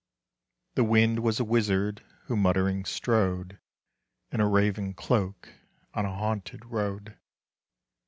The Wind was a wizard who muttering strode In a raven cloak on a haunted road.